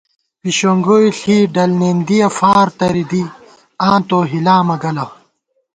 پشِنگوئے ݪی ڈل نېندِیہ فار تَرِی دی ، آن تو ہِلامہ گَلہ